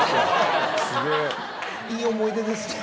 いい思い出ですね。